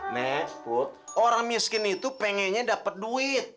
nek put orang miskin itu pengennya dapat duit